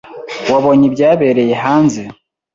Wabonye ibyabereye hanze?